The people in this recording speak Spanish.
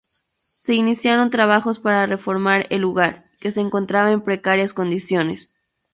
Se iniciaron trabajos para reformar el lugar, que se encontraba en precarias condiciones.